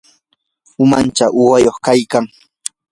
umanchaw uwayuq kaykan.